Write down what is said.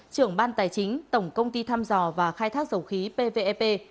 trưởng ban tài chính tổng công ty thăm dò và khai thác dầu khí pvep